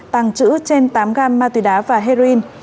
tàng trữ trên tám gam ma túy đá và heroin